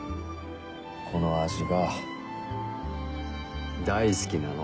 この味が大好きなの。